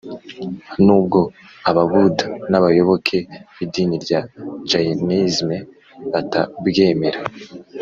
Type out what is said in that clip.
nubwo ababuda n’abayoboke b’idini rya jayinisime batabwemera.